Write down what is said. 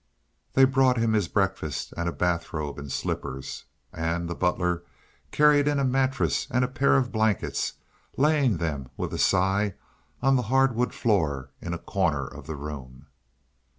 They brought him his breakfast and a bath robe and slippers. And the butler carried in a mattress and a pair of blankets, laying them with a sigh on the hardwood floor in a corner of the room.